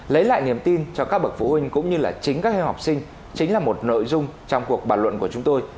lấy lại niềm tin cho các bậc phụ huynh cũng như là chính các em học sinh chính là một nội dung trong cuộc bàn luận của chúng tôi